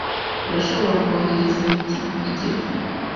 Urashobora kohereza imiti igifu?